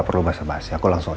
tes dna antara aku dan reyna